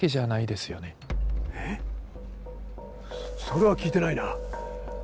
それは聞いてないな。